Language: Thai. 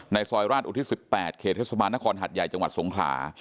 ในซอยราชอุทธิสิบแปดเคเทศมานครหัดใหญ่จังหวัดสงขลา